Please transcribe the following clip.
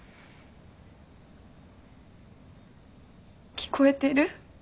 聞こえてる？